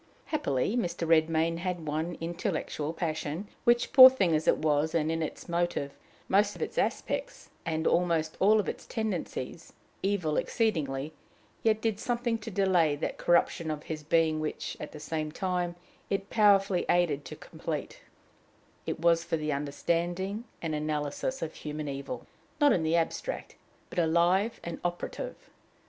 Happily, Mr. Redmain had one intellectual passion, which, poor thing as it was, and in its motive, most of its aspects, and almost all its tendencies, evil exceedingly, yet did something to delay that corruption of his being which, at the same time, it powerfully aided to complete: it was for the understanding and analysis of human evil not in the abstract, but alive and operative.